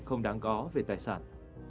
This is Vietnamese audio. không đáng có về tài sản